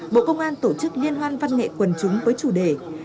bộ công an tổ chức liên hoan văn nghệ quần chúng với chủ đề